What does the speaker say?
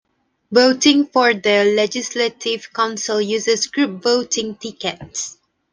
Voting for the legislative council uses group voting tickets.